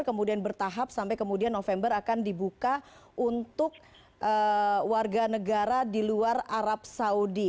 kemudian bertahap sampai kemudian november akan dibuka untuk warga negara di luar arab saudi